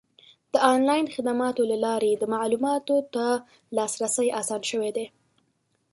د آنلاین خدماتو له لارې د معلوماتو ته لاسرسی اسان شوی دی.